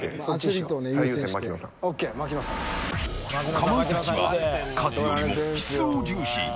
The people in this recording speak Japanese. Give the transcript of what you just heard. かまいたちは数よりも質を重視。